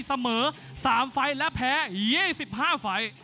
เสมอ๓ไฟล์และแพ้๒๕ไฟล์